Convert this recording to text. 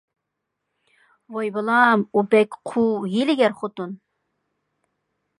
ۋاي بالام، ئۇ بەك قۇۋ، ھىيلىگەر خوتۇن.